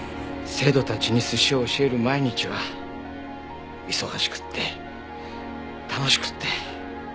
生徒たちに寿司を教える毎日は忙しくって楽しくって。